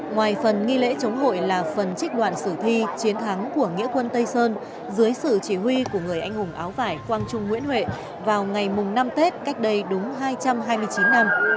ngoài phần nghi lễ chống hội là phần trích đoạn sử thi chiến thắng của nghĩa quân tây sơn dưới sự chỉ huy của người anh hùng áo vải quang trung nguyễn huệ vào ngày mùng năm tết cách đây đúng hai trăm hai mươi chín năm